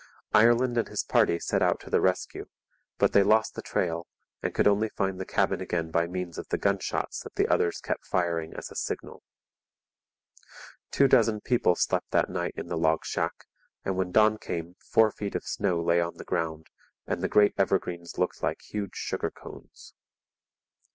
Ireland and his party set out to the rescue; but they lost the trail and could only find the cabin again by means of the gunshots that the others kept firing as a signal. Two dozen people slept that night in the log shack; and when dawn came, four feet of snow lay on the ground and the great evergreens looked like huge sugar cones.